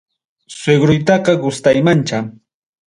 Suegroytaqa gustaymancha.